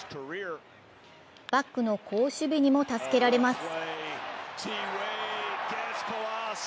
バックの好守備にも助けられます。